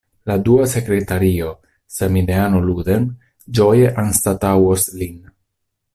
La dua sekretario, samideano Ludem ĝoje anstataŭos lin.